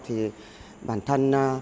thì bản thân